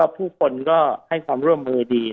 ผู้คนก็ให้ความร่วมมือดี